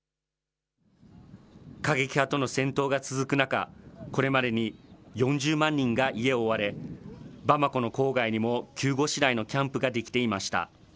過激派との戦闘が続く中、これまでに４０万人が家を追われ、バマコの郊外にも、急ごしらえのキャンプが出来ていました。